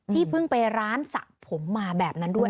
เพิ่งไปร้านสระผมมาแบบนั้นด้วย